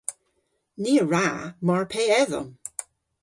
Ni a wra mar pe edhom.